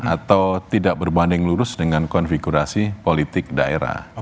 atau tidak berbanding lurus dengan konfigurasi politik daerah